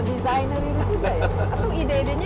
desainer ini juga ya atau ide idenya